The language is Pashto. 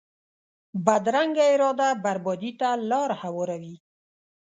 بدرنګه اراده بربادي ته لار هواروي